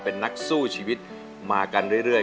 เป็นนักสู้ชีวิตมากันเรื่อย